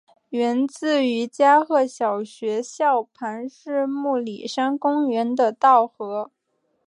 源自于加贺小学校旁日暮里山公园的稻荷。